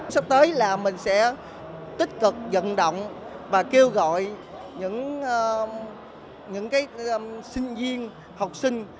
sắp tới là mình sẽ tích cực dẫn động và kêu gọi những sinh viên học sinh